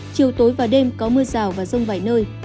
chiều tối và đêm có mưa rào và rông vài nơi